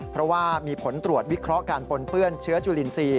เพราะว่ามีผลตรวจวิเคราะห์การปนเปื้อนเชื้อจุลินทรีย์